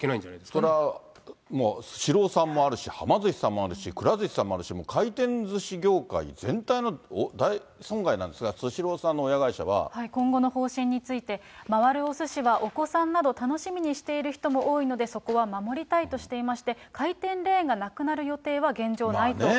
それはもう、スシローさんもあるし、はま寿司さんもあるし、くら寿司さんもあるし、回転ずし業界全体の大損害なんですが、今後の方針について、回るおすしはお子さんなど、楽しみにしている人も多いので、そこは守りたいとしていまして、回転レーンがなくなる予定は現状ないということです。